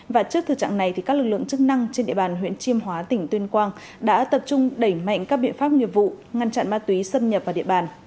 và trước thực trạng này các lực lượng chức năng trên địa bàn huyện chiêm hóa tỉnh tuyên quang đã tập trung đẩy mạnh các biện pháp nghiệp vụ ngăn chặn ma túy xâm nhập vào địa bàn